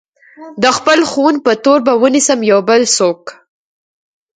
د خپل خون په تور به ونيسم يو بل څوک